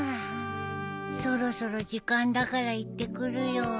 そろそろ時間だから行ってくるよ。